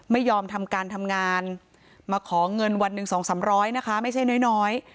ไม่ยอมทำการทำงานมาขอเงินวันหนึ่งสองสามร้อยนะคะไม่ใช่น้อย